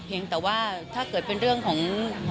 แต่ว่าถ้าเกิดเป็นเรื่องของ